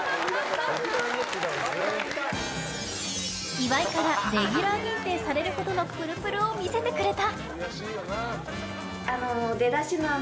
岩井からレギュラー認定されるほどのプルプルを見せてくれた！